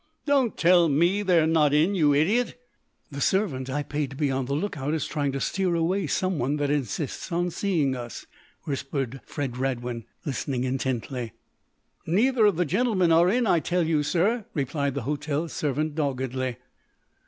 "Don't tell me they're not in, you idiot!" "The servant I paid to be on the lookout is trying to steer away some one that insists on seeing us," whispered Fred Radwin, listening intently. "Neither of the gentlemen are in, I tell you, sir," replied the hotel servant, doggedly.